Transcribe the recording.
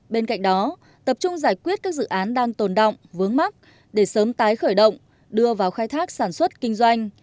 bên cạnh đó tập trung giải quyết các dự án đang tồn động vướng mắt để sớm tái khởi động đưa vào khai thác sản xuất kinh doanh